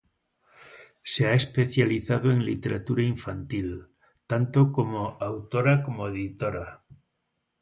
Se ha especializado en literatura infantil, tanto como autora como editora.